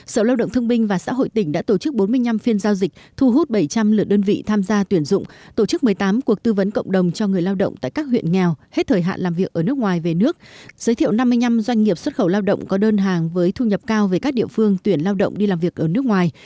sở lao động thương binh và xã hội tỉnh đã tổ chức bốn mươi năm phiên giao dịch thu hút bảy trăm linh lượt đơn vị tham gia tuyển dụng tổ chức một mươi tám cuộc tư vấn cộng đồng cho người lao động tại các huyện nghèo hết thời hạn làm việc ở nước ngoài về nước giới thiệu năm mươi năm doanh nghiệp xuất khẩu lao động có đơn hàng với thu nhập cao về các địa phương tuyển lao động đi làm việc ở nước ngoài